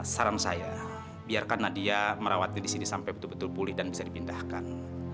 saran saya biarkan nadia merawatnya di sini sampai betul betul pulih dan bisa dipindahkan